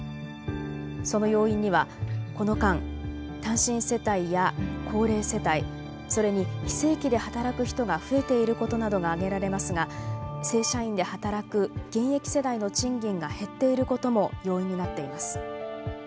その要因にはこの間単身世帯や高齢世帯それに非正規で働く人が増えていることなどが挙げられますが正社員で働く現役世代の賃金が減っていることも要因になっています。